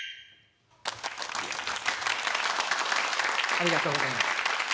ありがとうございます。